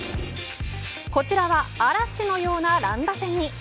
こちらは嵐のような乱打戦に。